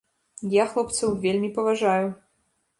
Я хлопцаў вельмі паважаю.